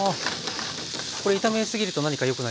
これ炒めすぎると何か良くないことが？